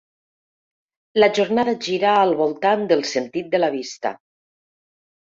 La jornada gira al voltant del sentit de la vista.